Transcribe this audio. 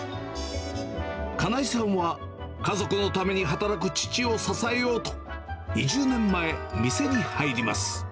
金井さんは、家族のために働く父を支えようと２０年前、店に入ります。